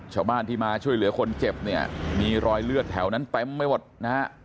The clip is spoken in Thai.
ชาวบ้านที่มาช่วยเหลือคนเจ็บเนี่ยมีรอยเลือดแถวนั้นเต็มไปหมดนะฮะ